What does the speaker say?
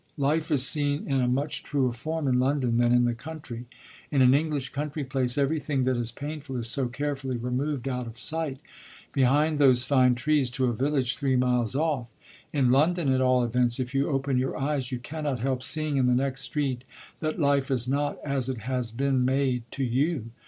Life is seen in a much truer form in London than in the country. In an English country place everything that is painful is so carefully removed out of sight, behind those fine trees, to a village three miles off. In London, at all events if you open your eyes, you cannot help seeing in the next street that life is not as it has been made to you.